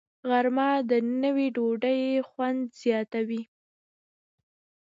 غرمه د نیوي ډوډۍ خوند زیاتوي